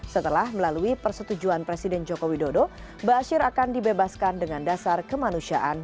setelah melalui persetujuan presiden joko widodo ⁇ baasyir ⁇ akan dibebaskan dengan dasar kemanusiaan